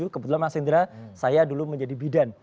kebetulan mas indra saya dulu menjadi bidan